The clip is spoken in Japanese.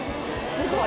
すごい。